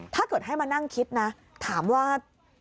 ถ้าเกิดให้มานั่งคิดนะถามว่า